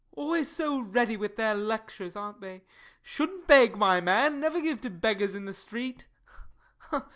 Always so ready with their lectures, aren't they? "Shouldn't beg, my man! Never give to beggars in the street!"